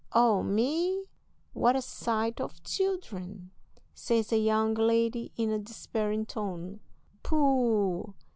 "Oh, me, what a sight of children!" says a young lady, in a despairing tone. "Pooh!"